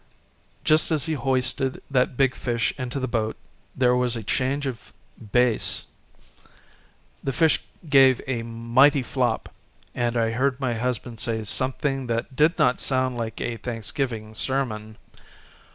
Just as he hoisted that big fish into the boat there was a change of base; the fish gave a mighty flop, and I heard my husband say some thing that did not sound like a thanksgiving sermon.